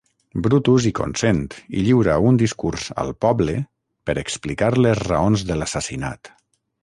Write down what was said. Brutus hi consent i lliura un discurs al poble per explicar les raons de l'assassinat.